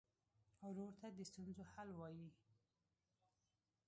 ورور ته د ستونزو حل وايي.